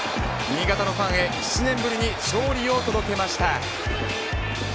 新潟のファンへ７年ぶりに勝利を届けました。